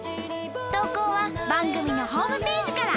投稿は番組のホームページから。